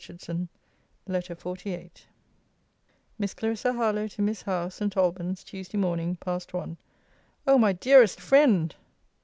HARLOWE. LETTER XLVIII MISS CLARISSA HARLOWE, TO MISS HOWE ST. ALBAN'S, TUESDAY MORN. PAST ONE. O MY DEAREST FRIEND!